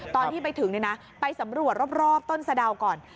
ตอนที่ไปถึงไปสำรวจรอบต้นสะดาวก่อน